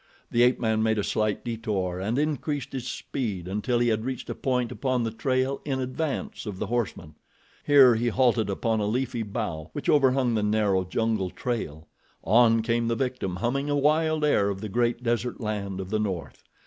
The ape man made a slight detour and increased his speed until he had reached a point upon the trail in advance of the horseman. Here he halted upon a leafy bough which overhung the narrow, jungle trail. On came the victim, humming a wild air of the great desert land of the north.